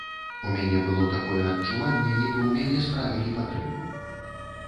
У мяне было такое адчуванне, нібы ў мяне справілі патрэбу.